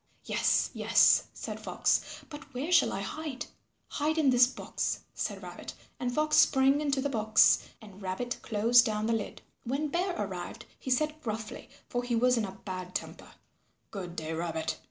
"Yes, yes," said Fox, "but where shall I hide?" "Hide in this box," said Rabbit, and Fox sprang into the box, and Rabbit closed down the lid. When Bear arrived he said gruffly, for he was in a bad temper, "Good day, Rabbit.